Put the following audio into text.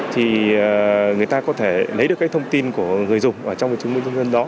thì người ta có thể lấy được cái thông tin của người dùng ở trong cái chứng minh nhân dân đó